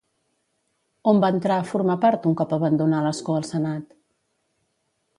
On va entrar a formar part un cop abandonà l'escó al Senat?